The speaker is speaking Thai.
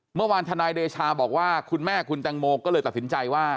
ทนายเดชาบอกว่าคุณแม่คุณแตงโมก็เลยตัดสินใจว่า